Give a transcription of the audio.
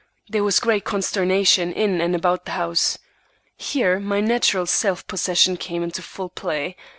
There was great consternation in and about the house. Here my natural self possession came into full play.